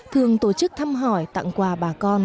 thường tổ chức thăm hỏi tặng quà bà con